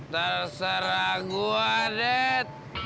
terserah gue det